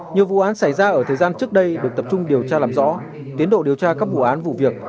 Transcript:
nhiều vụ án xảy ra ở thời gian trước đây được tập trung điều tra làm rõ tiến độ điều tra các vụ án vụ việc